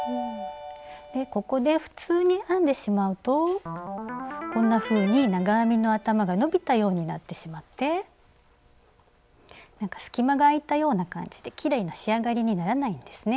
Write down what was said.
ここで普通に編んでしまうとこんなふうに長編みの頭が伸びたようになってしまって隙間があいたような感じできれいな仕上がりにならないんですね。